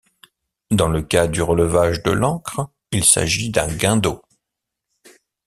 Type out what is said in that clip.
Dans le cas du relevage de l'ancre il s'agit d'un guindeau.